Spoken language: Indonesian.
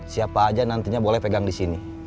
siapa aja nantinya boleh pegang di sini